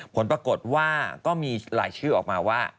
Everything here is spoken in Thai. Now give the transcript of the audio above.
ผลปรากฏว่าก็มีรายชื่อออกมาว่า